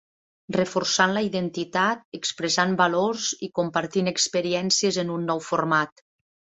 Reforçant la identitat, expressant valors i compartint experiències en un nou format.